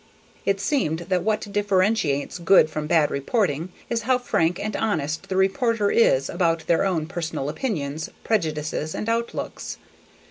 It seems that what differentiates good from bad reporting is how frank and honest the reporter is about their own personal opinions, prejudices, and outlooks.